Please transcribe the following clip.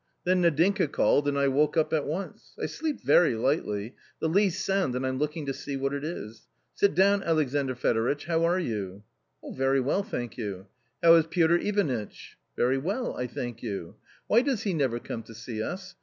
Then Nadinka called and I woke up at once. I sleep very lightly; the least sound and I'm looking to see what it is. Sit down, Alexandr Fedoritch, how are you ?"" Very well, thank you." " How is Piotr Ivanitch ?"" Very well, I thank you." " Why does he never come to see us